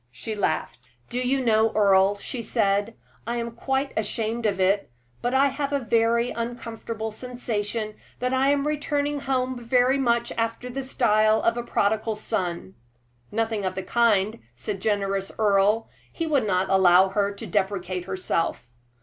She laughed. "Do you know, Earle," she said, "I am quite ashamed of it, but I have a very uncomfortable sensation that I am returning home very much after the style of the prodigal son." "Nothing of the kind," said generous Earle. He would not allow her to depreciate herself.